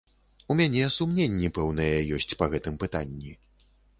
У мяне сумненні пэўныя ёсць па гэтым пытанні.